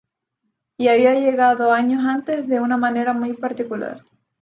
Y había llegado años antes de una manera muy particular.